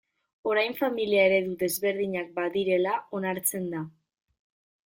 Orain familia eredu desberdinak badirela onartzen da.